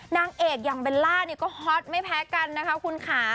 นางเอกอย่างเบลล่าเนี่ยก็ฮอตไม่แพ้กันนะคะคุณค่ะ